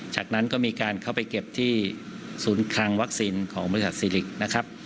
จากนั้นก็มีการเข้าไปเก็บที่ศูนย์คลังวัคซีนของบริษัทซีลิกนะครับ